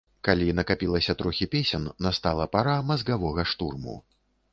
Калі накапілася трохі песен, настала пара мазгавога штурму.